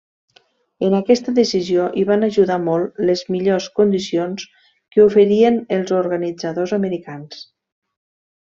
En aquesta decisió hi van ajudar molt les millors condicions que oferien els organitzadors americans.